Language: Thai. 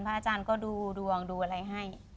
อาจารย์ก็ดูดวงดูอะไรให้